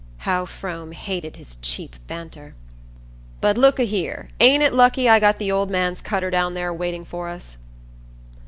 (How Frome hated his cheap banter!) "But look at here, ain't it lucky I got the old man's cutter down there waiting for us?"